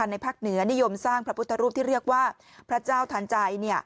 ในภาคเหนือนิยมสร้างพระพุทธรูปที่เรียกว่าพระเจ้าทันใจ